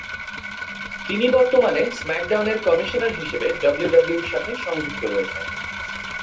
তিনি বর্তমানে স্ম্যাকডাউনের কমিশনার হিসেবে ডাব্লিউডাব্লিউইর সাথে সংযুক্ত রয়েছেন।